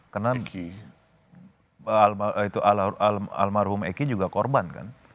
karena itu almarhumah eki juga korban kan